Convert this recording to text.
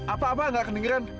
apa apa nggak kedengeran